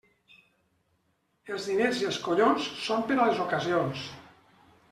Els diners i els collons són per a les ocasions.